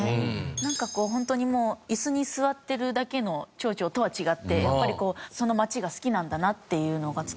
なんかこうホントにもう椅子に座ってるだけの町長とは違ってやっぱりその町が好きなんだなっていうのが伝わってくるから。